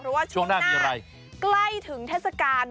เพราะว่าช่วงหน้าใกล้ถึงเทศกาล